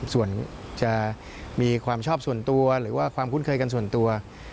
ส่วนจะมีความชอบส่วนตัวหรือว่าความคุ้นเคยกันส่วนตัว